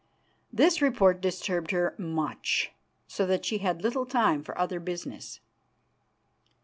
This report disturbed her much, so that she had little time for other business."